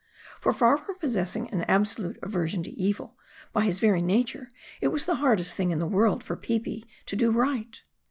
For far from possessing an absolute aversion to evil, by his very nature it was the hardest thing in the world for Peepi to do right.